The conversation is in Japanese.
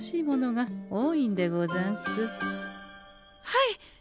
はい！